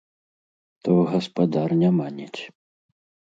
То гаспадар не маніць.